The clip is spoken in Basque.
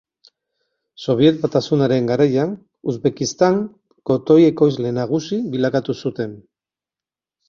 Sobiet Batasunaren garaian Uzbekistan kotoi-ekoizle nagusi bilakatu zuten.